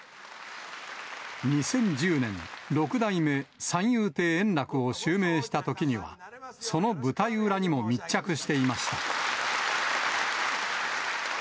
２０１０年、六代目三遊亭円楽を襲名したときには、その舞台裏にも密着していました。